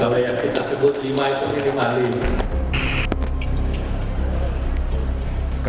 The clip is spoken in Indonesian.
kalau yang kita sebut lima itu jadi lima hal